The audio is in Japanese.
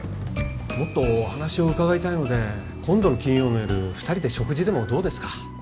もっとお話を伺いたいので今度の金曜の夜２人で食事でもどうですか？